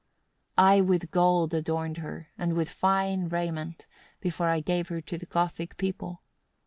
16. "I with gold adorned her, and with fine raiment, before I gave her to the Gothic people.